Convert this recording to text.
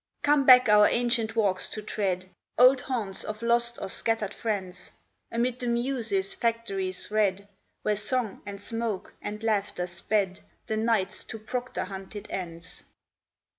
Come back our ancient walks to tread, Old haunts of lost or scattered friends, Amid the Muses' factories red, Where song, and smoke, and laughter sped The nights to proctor hunted ends.